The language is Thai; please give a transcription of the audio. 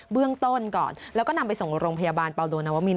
เบื้องต้นก่อนแล้วก็นำไปส่งโรงพยาบาลปาโดนวมิน